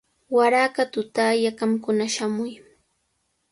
Waraqa tutalla qamkuna shamuy.